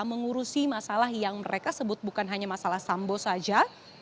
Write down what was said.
mengurusi masalah yang mereka sebut bukan hanya masalah sambo saja